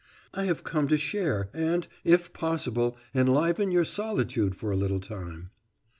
I have come to share and, if possible, enliven your solitude for a little time."